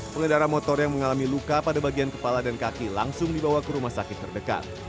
pengendara motor yang mengalami luka pada bagian kepala dan kaki langsung dibawa ke rumah sakit terdekat